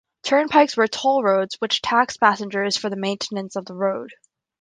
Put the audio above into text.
Turnpikes were toll roads which taxed passengers for the maintenance of the road.